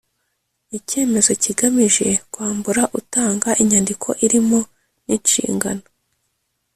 Icyyemezo kigamije kwambura utanga inyandiko imirimo n’inshingano